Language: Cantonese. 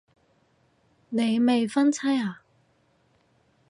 你未婚妻啊